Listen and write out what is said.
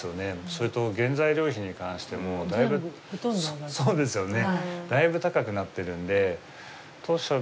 それと原材料費に関してもだいぶそうですよね